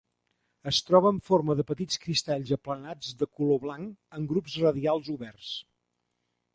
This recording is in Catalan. Es troba en forma de petits cristalls aplanats de color blanc en grups radials oberts.